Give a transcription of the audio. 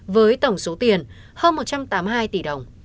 với tổng số tiền hơn một trăm tám mươi hai tỷ đồng